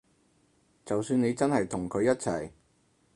就算你真係同佢一齊